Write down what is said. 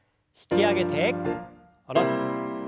引き上げて下ろして。